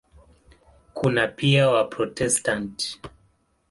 Kuna pia Waprotestanti.